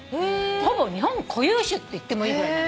ほぼ日本固有種っていってもいいぐらいなの。